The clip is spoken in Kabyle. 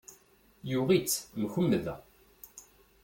Yuɣ-itt, mkwemmda.